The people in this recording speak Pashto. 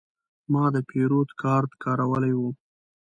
ما د پیرود کارت کارولی و.